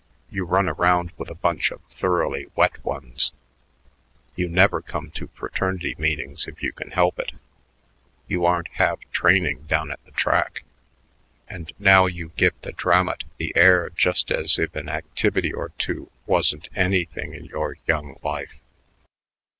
You run around with a bunch of thoroughly wet ones; you never come to fraternity meetings if you can help it; you aren't half training down at the track; and now you give the Dramat the air just as if an activity or two wasn't anything in your young life."